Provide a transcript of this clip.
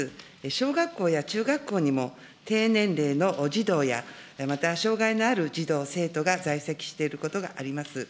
小学校や中学校にも、低年齢の児童やまた障害のある児童、生徒が在籍していることがあります。